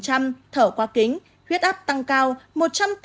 thở qua kính huyết áp tăng cao một trăm tám mươi chín mươi mmhg